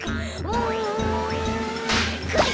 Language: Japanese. うんかい。